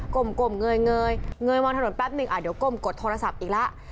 กลมเงยมองถนนแป๊บหนึ่งเดี๋ยวก้มกดโทรศัพท์อีกแล้ว